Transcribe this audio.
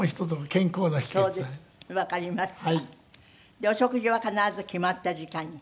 でお食事は必ず決まった時間に。